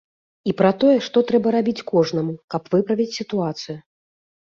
І пра тое, што трэба рабіць кожнаму, каб выправіць сітуацыю.